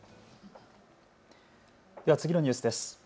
では次のニュースです。